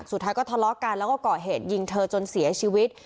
สุดท้ายก็ทะเลาะกันแล้วก็ก่อเหตุยิงเธอจนเสียชีวิต